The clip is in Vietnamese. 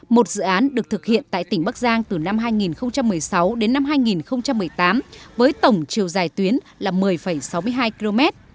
một dự án được thực hiện tại tỉnh bắc giang từ năm hai nghìn một mươi sáu đến năm hai nghìn một mươi tám với tổng chiều dài tuyến là một mươi sáu mươi hai km